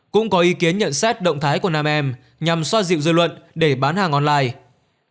cũng có ý kiến nhận xét động thái của nam em nhằm xoa dịu dư luận để bán hàng online